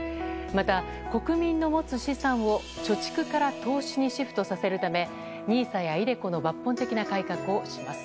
また、国民の持つ資産を貯蓄から投資にシフトさせるためＮＩＳＡやｉＤｅＣｏの抜本的な改革をします。